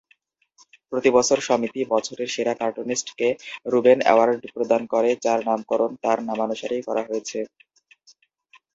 প্রতিবছর সমিতি বছরের সেরা কার্টুনিস্ট কে রুবেন অ্যাওয়ার্ড প্রদান করে যার নামকরণ তার নামানুসারেই করা রয়েছে।